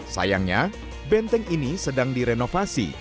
sayangnya benteng ini sedang direnovasi